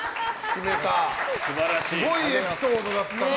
すごいエピソードだったな。